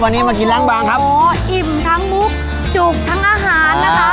วันนี้มากินล้างบางครับอ๋ออิ่มทั้งมุกจุกทั้งอาหารนะคะ